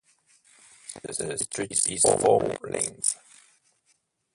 The street is four lanes.